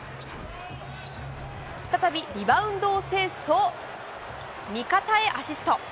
再びリバウンドを制すと、味方へアシスト。